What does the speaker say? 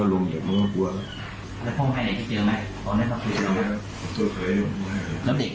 โหลายกาก